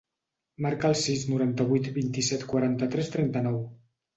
Marca el sis, noranta-vuit, vint-i-set, quaranta-tres, trenta-nou.